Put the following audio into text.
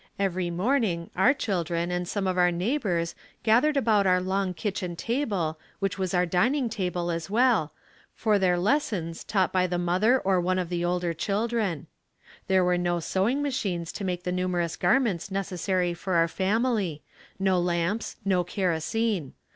Every morning our children and some of our neighbor's gathered about our long kitchen table which was our dining table as well, for their lessons taught by the mother or one of the older children. There were no sewing machines to make the numerous garments necessary for our family, no lamps, no kerosene.